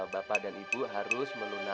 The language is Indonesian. bapak dan ibu harus mengambil bantuan